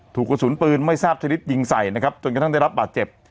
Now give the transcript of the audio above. ถูกกระสุนปืนไม่ทราบชนิดยิงใส่นะครับจนกระทั่งได้รับบาดเจ็บ